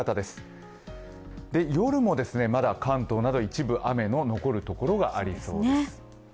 夜もまだ関東など一部雨が残るところがありそうです。